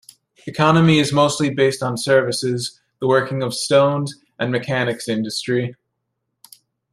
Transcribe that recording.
Economy is mostly based on services, the working of stones, and mechanics industry.